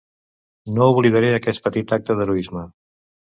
No oblidaré aquest petit acte d'heroisme